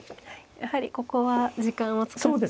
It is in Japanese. やはりここは時間を使って慎重にと。